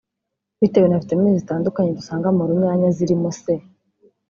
Bitewe na vitamine zitandukanye dusanga mu runyanya zirimo C